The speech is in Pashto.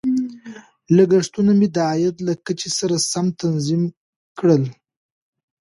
لګښتونه مې د عاید له کچې سره سم تنظیم کړل.